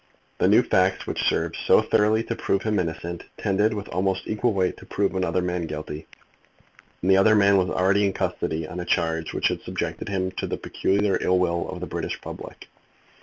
The new facts which served so thoroughly to prove him innocent tended with almost equal weight to prove another man guilty. And the other man was already in custody on a charge which had subjected him to the peculiar ill will of the British public.